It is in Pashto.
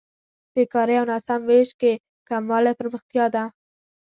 بېکارۍ او ناسم وېش کې کموالی پرمختیا ده.